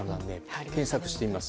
検索してみます。